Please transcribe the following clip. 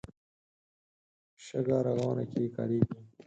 شګه رغونه کې کارېږي.